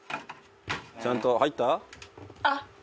「ちゃんと入った？」